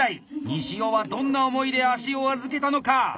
西尾はどんな思いで足を預けたのか！